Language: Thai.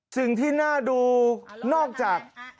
สิ่งที่น่าดูนอกจาก